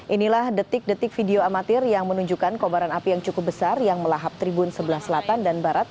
inilah detik detik video amatir yang menunjukkan kobaran api yang cukup besar yang melahap tribun sebelah selatan dan barat